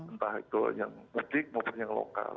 entah itu yang mudik maupun yang lokal